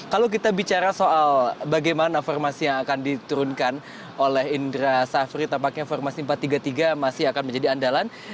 kalau kita bicara soal bagaimana formasi yang akan diturunkan oleh indra safri tampaknya formasi empat tiga tiga masih akan menjadi andalan